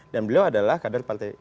dan beliau adalah kader partai dip